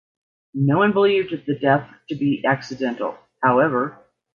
No one believed the death to be accidental, however.